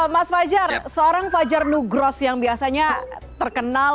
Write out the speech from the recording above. mas fajar seorang fajar nugros yang biasanya terkenal